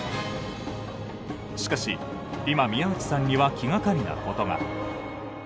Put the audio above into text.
しかし今宮内さんには気がかりなことが。